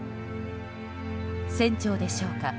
船長でしょうか。